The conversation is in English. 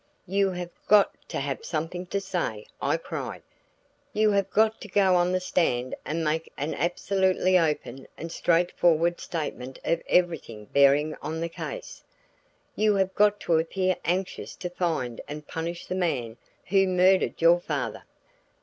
"You have got to have something to say," I cried. "You have got to go on the stand and make an absolutely open and straightforward statement of everything bearing on the case. You have got to appear anxious to find and punish the man who murdered your father.